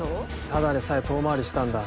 ただでさえ遠回りしたんだ。